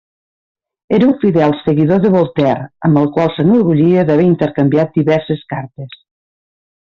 Era un fidel seguidor de Voltaire, amb el qual s'enorgullia d'haver intercanviat diverses cartes.